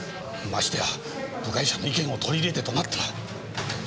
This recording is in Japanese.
ましてや部外者の意見を取り入れてとなったら。